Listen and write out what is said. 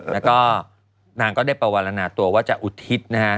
แล้วก็นางก็ได้ประวัลนาตัวว่าจะอุทิศนะฮะ